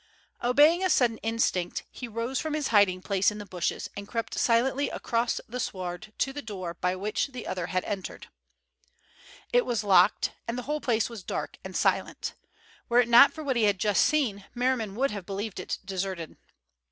Obeying a sudden instinct, he rose from his hiding place in the bushes and crept silently across the sward to the door by which the other had entered. It was locked, and the whole place was dark and silent. Were it not for what he had just seen, Merriman would have believed it deserted.